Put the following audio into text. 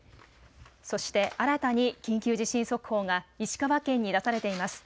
そして新たに緊急地震速報が石川県に出されています。